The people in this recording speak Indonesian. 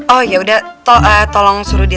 oh ya udah tolong suruh dia